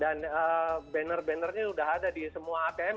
dan banner bannernya sudah ada di semua atm